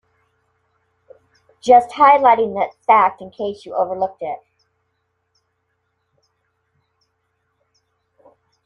Just highlighting that fact in case you overlooked it.